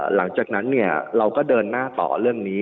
หลังจากนั้นเนี่ยเราก็เดินหน้าต่อเรื่องนี้